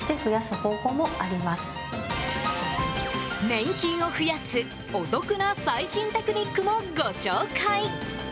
年金を増やすお得な最新テクニックもご紹介！